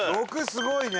すごいね！